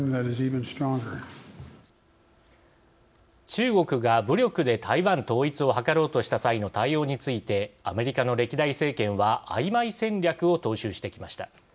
中国が武力で台湾統一を図ろうとした際の対応についてアメリカの歴代政権はあいまい戦略を踏襲してきました。